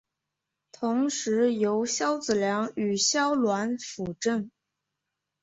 同时由萧子良与萧鸾辅政。